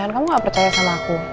kamu gak percaya sama aku